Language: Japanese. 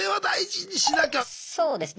そうですね。